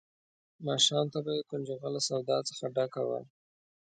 ماښام ته به یې کنجغه له سودا څخه ډکه وه.